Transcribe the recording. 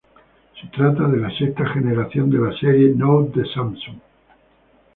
Se trata de la sexta generación de la serie Note de Samsung.